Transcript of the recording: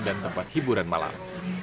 dan tempat hiburan malam